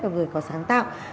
và vừa phải có sáng tạo